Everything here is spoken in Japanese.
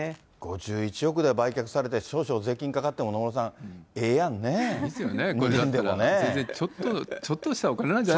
５１億で売却されてしょうしょう税金かかっても野村さん、えいいですよね。